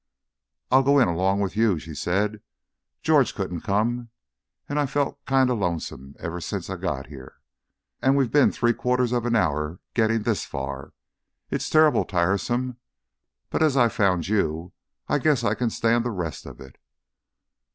"I'll go in along with you," she said. "George couldn't come and I've felt kinder lonesome ever sense I got here. And we've been three quarters of an hour getting this far. It's terrible tiresome, but as I've found you I guess I can stand the rest of it."